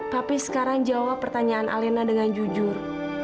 tapi sekarang jawab pertanyaan alena dengan jujur